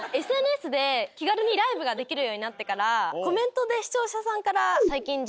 ＳＮＳで気軽にライブができるようになってからコメントで視聴者さんから。